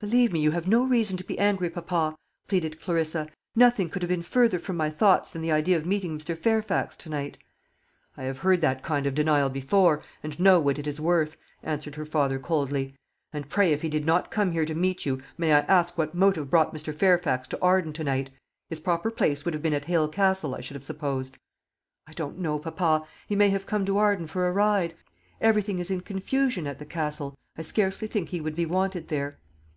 "Believe me you have no reason to be angry, papa," pleaded Clarissa; "nothing could have been farther from my thoughts than the idea of meeting Mr. Fairfax to night." "I have heard that kind of denial before, and know what it is worth," answered her father coldly. "And pray, if he did not come here to meet you, may I ask what motive brought Mr. Fairfax to Arden to night? His proper place would have been at Hale Castle, I should have supposed." "I don't know, papa. He may have come to Arden for a ride. Everything is in confusion at the Castle, I scarcely think he would be wanted there."